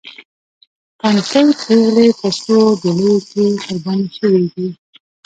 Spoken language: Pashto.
تنکۍ پېغلې په سرو ډولیو کې قرباني شوې دي.